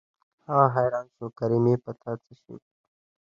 هغه حيران شو کریمې په تا څه شوي.